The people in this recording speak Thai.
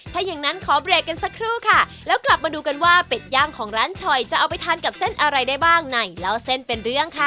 ถ้าอย่างนั้นขอเบรกกันสักครู่ค่ะแล้วกลับมาดูกันว่าเป็ดย่างของร้านช่อยจะเอาไปทานกับเส้นอะไรได้บ้างในเล่าเส้นเป็นเรื่องค่ะ